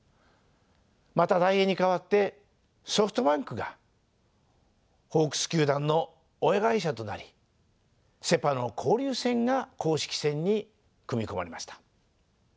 またダイエーに代わってソフトバンクがホークス球団の親会社となりセ・パの交流戦が公式戦に組み込まれました。